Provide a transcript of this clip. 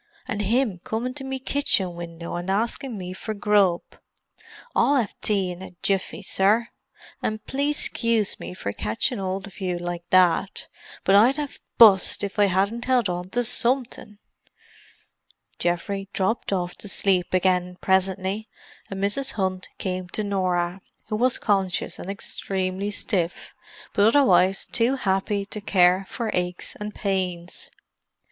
An' him comin' to me kitching window an' askin' me for grub! I'll 'ave tea in a jiffy, sir. An' please 'scuse me for ketchin' old of you like that, but I'd 'ave bust if I 'adn't 'eld on to somefink!" Geoffrey dropped off to sleep again, presently, and Mrs. Hunt came to Norah, who was conscious, and extremely stiff, but otherwise too happy to care for aches and pains.